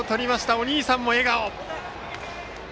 お兄さんも笑顔。